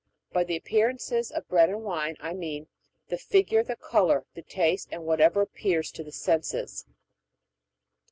By the appearances of bread and wine I mean the figure, the color, the taste, and whatever appears to the senses.